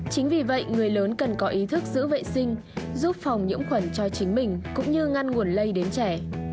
chính vì vậy người lớn cần có ý thức giữ vệ sinh giúp phòng nhiễm khuẩn cho chính mình cũng như ngăn nguồn lây đến trẻ